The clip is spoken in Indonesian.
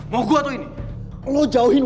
masih berada di sini